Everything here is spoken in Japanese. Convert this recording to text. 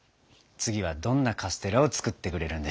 次はどんなカステラを作ってくれるんでしょう。